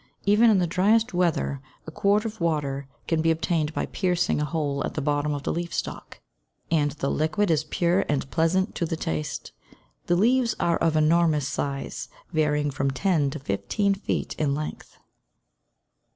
Even in the driest weather a quart of water can be obtained by piercing a hole at the bottom of the leaf stalk, and the liquid is pure and pleasant to the taste. The leaves are of enormous size, varying from ten to fifteen feet in length.